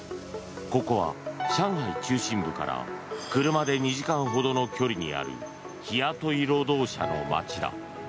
ここは上海中心部から車で２時間ほどの距離にある日雇い労働者の街だ。